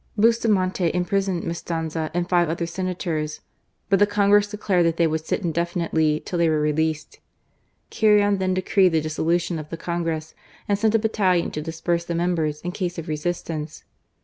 Bustamante im prisoned Mestanza and five other Senators : but the Congress declared that they would sit indefinitely till they were released. Carrion then decreed the dissolution of the Congress, and sent a battalion to disperse the members in case of resistance.